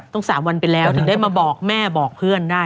๓วันไปแล้วถึงได้มาบอกแม่บอกเพื่อนได้